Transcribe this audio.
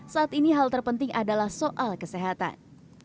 saat ini hal terpenting adalah soal kesehatan